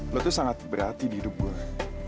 lo tuh sangat berhati di hidup gue